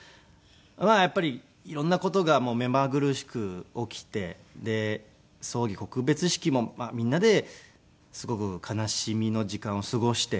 まあやっぱり色んな事がめまぐるしく起きてで葬儀告別式もみんなですごく悲しみの時間を過ごして。